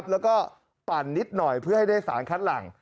แล้วก็ปั่นนิดหน่อยเพื่อให้ได้สารคัดหลัง